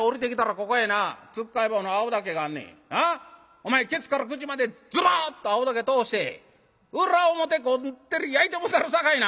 お前ケツから口までズボッと青竹通して裏表こってり焼いてもうたるさかいな」。